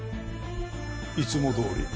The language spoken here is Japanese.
いつもどおりに。